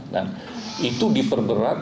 dan itu diperberat